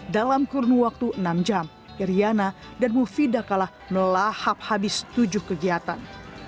dalam kurun waktu enam jam iryana dan mufidah kalah melahap habis tujuh kegiatan